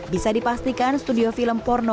bisa dipastikan studio film porno